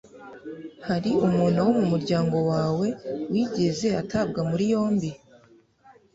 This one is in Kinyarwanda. Hari umuntu wo mu muryango wawe wigeze atabwa muri yombi?